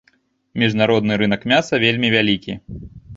Міжнародны рынак мяса вельмі вялікі.